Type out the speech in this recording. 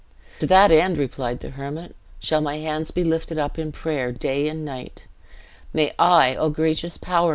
"To that end," replied the Hermit, "shall my hands be lifted up in prayer day and night. May I, O gracious Power!"